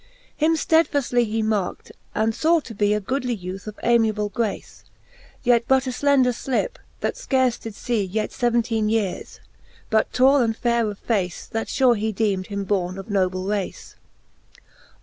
Him ftedfaftly he markt, and faw to bee A goodly youth of amiable grace. Yet but a flender flip, that fcarfe did iee Yet feventeen y eares, but tall and faire of face. That fure he deem'd him borne of noble race.